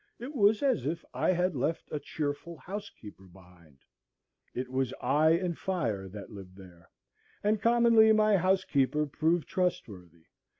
It was as if I had left a cheerful housekeeper behind. It was I and Fire that lived there; and commonly my housekeeper proved trustworthy.